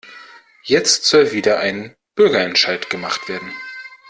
Jetzt soll wieder ein Bürgerentscheid gemacht werden.